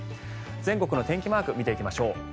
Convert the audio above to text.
全国の天気マーク見ていきましょう。